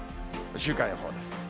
週間予報です。